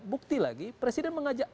bukti lagi presiden mengajak